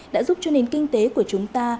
đã giúp cho nền kinh tế của chúng ta